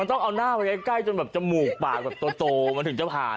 มันต้องเอาหน้าไปใกล้ใกล้จนแบบจมูกปาสักโตโตมันถึงจะผ่าน